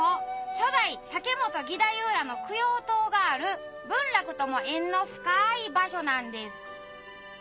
初代竹本義太夫らの供養塔がある文楽とも縁の深い場所なんです。